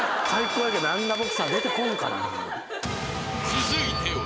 ［続いては。